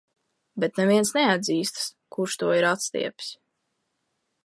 Bet neviens neatzīstas, kurš to ir atstiepis.